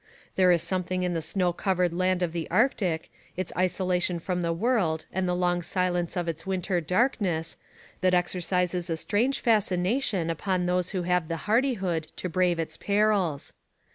There is something in the snow covered land of the Arctic, its isolation from the world and the long silence of its winter darkness, that exercises a strange fascination upon those who have the hardihood to brave its perils.